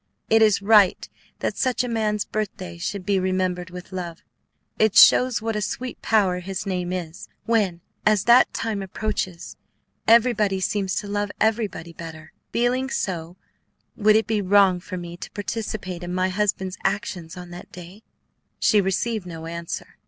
It is right that such a man's birthday should be remembered with love; it shows what a sweet power his name is, when, as that time approaches, everybody seems to love everybody better. Feeling so, would it be wrong for me to participate in my husband's actions on that day?" She received no answer.